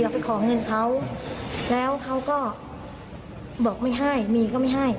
ไปขอเงินเขาแล้วเขาก็บอกไม่ให้มีก็ไม่ให้